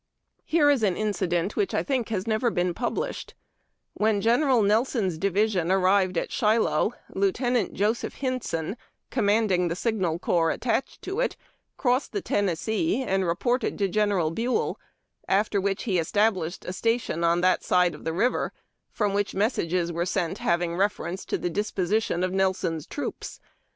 Here is an incident which, I think, has never been published :— When General Nelson's division arrived at Shiloh, Lieu tenant Joseph Hinson, commanding the Signal Corps at tached to it, crossed the Tennessee and reported to General Buell, after which he established a station on that side of the river, from which messages were sent having reference to the disposition of Nelson's trooj^s.